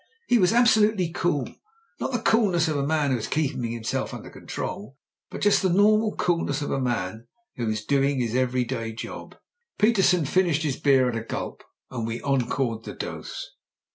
He was abso lutely cool ; not the coolness of a man who is keeping himself under control, but just the normal coolness of a man who is doing his everyday job." Petersen finished his beer at a gulp, and we encored the dose.